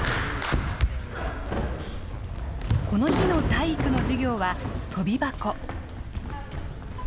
この日の体育の授業はとび箱。